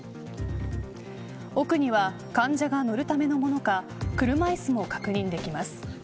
奥には患者が乗るためのものか車いすも確認できます。